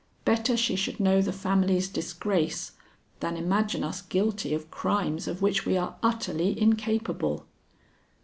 Better she should know the family's disgrace than imagine us guilty of crimes of which we are utterly incapable.'"